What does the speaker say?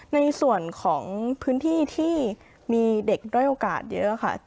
ในส่วนของพื้นที่ที่มีเด็กด้อยโอกาสเยอะค่ะ